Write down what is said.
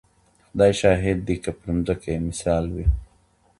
خدای شاهد دی که پر مځکه یې مثال وي